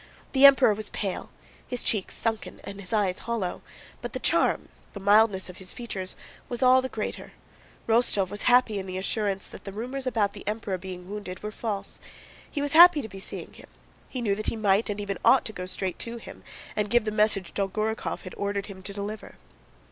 The Emperor was pale, his cheeks sunken and his eyes hollow, but the charm, the mildness of his features, was all the greater. Rostóv was happy in the assurance that the rumors about the Emperor being wounded were false. He was happy to be seeing him. He knew that he might and even ought to go straight to him and give the message Dolgorúkov had ordered him to deliver.